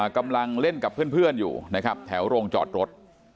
กำลังเล่นกับเพื่อนอยู่นะครับแถวโรงจอดรถ